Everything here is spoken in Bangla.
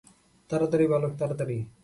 তাড়াতাড়ি, বালক, তাড়াতাড়ি।